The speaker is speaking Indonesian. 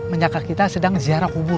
menyakat kita sedang ziarah kubur